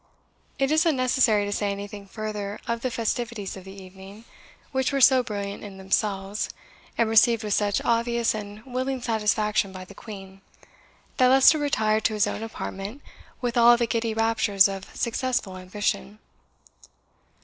It is unnecessary to say anything further of the festivities of the evening, which were so brilliant in themselves, and received with such obvious and willing satisfaction by the Queen, that Leicester retired to his own apartment with all the giddy raptures of successful ambition.